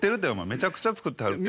めちゃくちゃ作ってはるって。